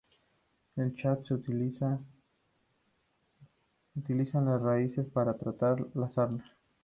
En Chad, se utilizan las raíces para tratar la sarna.